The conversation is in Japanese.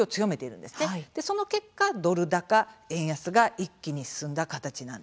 その結果、ドル高円安が一気に進んだ形なんですね。